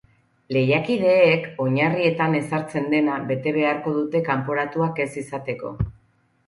Lehiakideek oinarrietan ezartzen dena bete beharko dute kanporatuak ez izateko.